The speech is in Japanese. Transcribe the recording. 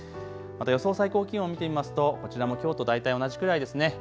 また予想最高気温見てみますとこちらもきょうと大体同じくらいですね。